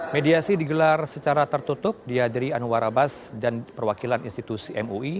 mediasi digelar secara tertutup di hadiri anu warabas dan perwakilan institusi mui